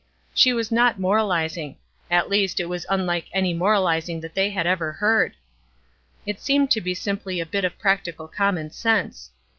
She was not moralizing; at least it was unlike any moralizing that they had ever heard. It seemed to be simply a bit of practical common sense.